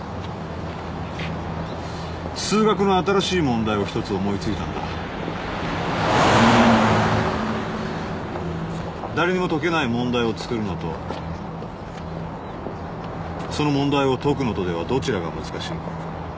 数学の新しい問題を１つ思いついたんだ誰にも解けない問題を作るのとその問題を解くのとではどちらが難しいか？